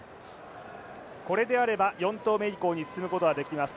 これであれば４投目以降に進むことはできます。